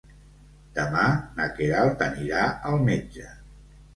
Demà na Queralt anirà al metge.